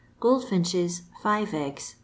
Gold finches, five eggs, M.